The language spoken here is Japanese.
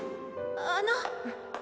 あの。